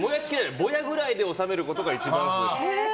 ぼやくらいで収めることが一番。